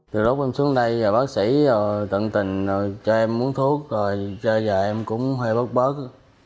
từ lúc em xuống đây bác sĩ tận tình cho em uống thuốc rồi cho giờ em cũng hơi bớt bớt